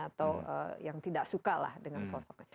atau yang tidak suka lah dengan sosoknya